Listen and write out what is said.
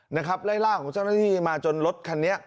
นะครับไล่ล่าของเจ้าหน้าที่มาจนรถคันนี้